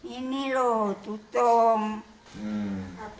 ini loh tutup